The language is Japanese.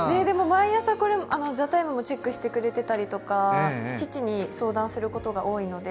毎朝、「ＴＨＥＴＩＭＥ，」もチェックしてくれてたりとか父に相談することが多いので。